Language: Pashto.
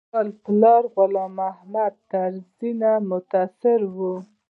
له خپل پلار غلام محمد طرزي متاثره و.